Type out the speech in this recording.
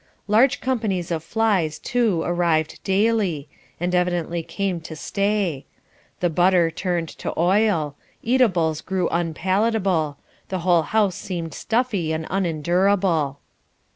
Large companies of flies, too, arrived daily, and evidently came to stay; the butter turned to oil; eatables grew unpalatable; the whole house seemed stuffy and unendurable.